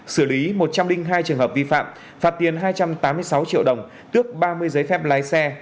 xử lý một trăm linh hai trường hợp vi phạm phạt tiền hai trăm tám mươi sáu triệu đồng tước ba mươi giấy phép lái xe